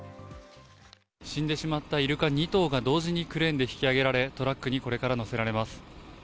死んでしまったイルカ２頭が同時にクレーンで引き揚げられ、トラックにこれから乗せられます。